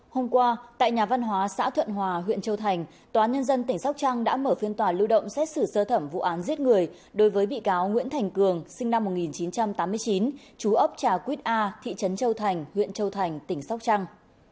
hôm qua tại nhà văn hóa xã thuận hòa huyện châu thành tòa nhân dân tỉnh sóc trăng đã mở phiên tòa lưu động xét xử sơ thẩm vụ án giết người đối với bị cáo nguyễn thành cường sinh năm một nghìn chín trăm tám mươi chín chú ấp trà quýt a thị trấn châu thành huyện châu thành tỉnh sóc trăng